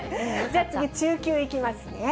じゃあ次、中級いきますね。